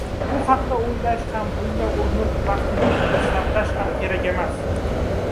Bu haqda o‘ylash ham, bunga urinib vaqtni behuda sarflash ham kerak emas.